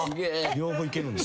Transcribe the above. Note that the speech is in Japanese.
両方いけるんや。